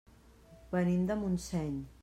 Venim de Montseny.